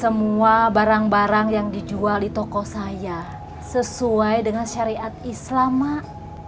semua barang barang yang dijual di toko saya sesuai dengan syariat islam mak